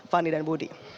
fani dan budi